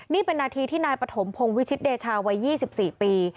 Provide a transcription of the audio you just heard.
นี่เป็นนาทีที่นายปฐมพงศ์วิชิตเดชาวัย๒๔ปี